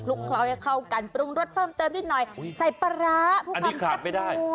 เคล้าให้เข้ากันปรุงรสเพิ่มเติมนิดหน่อยใส่ปลาร้าพวกนี้ขาดไม่ได้